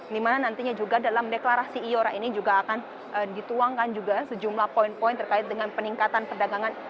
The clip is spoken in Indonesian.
dimana nantinya juga dalam deklarasi iora ini juga akan dituangkan juga sejumlah poin poin terkait dengan peningkatan perdagangan